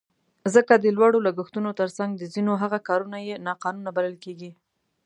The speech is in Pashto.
ځکه د لوړو لګښتونو تر څنګ د ځینو هغو کارونه یې ناقانونه بلل کېږي.